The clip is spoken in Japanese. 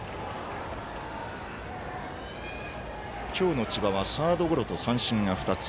今日の千葉はサードゴロと三振が２つ。